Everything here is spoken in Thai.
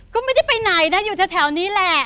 ก็ไม่ได้ไปหน่ะยังอยู่ทุกแถวนี้แหละ